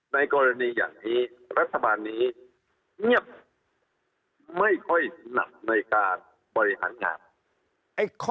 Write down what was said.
ในกรณีอย่างนี้รัฐบาลนี้เงียบไม่ค่อยหนักในการบริหารงาน